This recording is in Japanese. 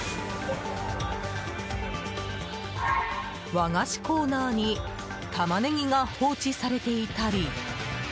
和菓子コーナーにタマネギが放置されていたり。